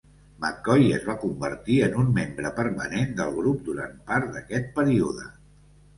McKoy es va convertir en un membre permanent del grup durant part d'aquest període.